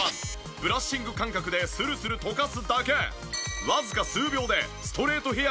ブラッシング感覚でスルスルとかすだけ。